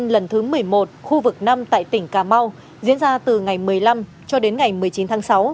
hội diễn nghệ thuật quần chúng công an nhân dân lần thứ một mươi một khu vực năm tại tỉnh cà mau diễn ra từ ngày một mươi năm cho đến ngày một mươi chín tháng sáu